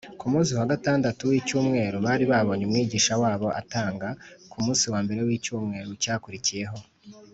ku munsi wa gatandatu w’icyumweru bari babonye umwigisha wabo atanga; ku munsi wa mbere w’icyumweru cyakurikiyeho,